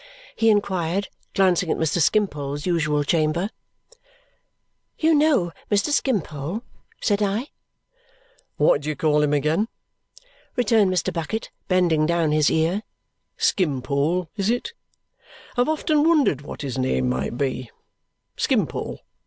he inquired, glancing at Mr. Skimpole's usual chamber. "You know Mr. Skimpole!" said I. "What do you call him again?" returned Mr. Bucket, bending down his ear. "Skimpole, is it? I've often wondered what his name might be. Skimpole.